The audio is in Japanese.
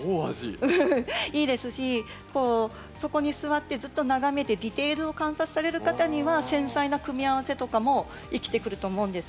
そこに座ってずっと眺めてディテールを観察される方には繊細な組み合わせとかも生きてくると思うんです。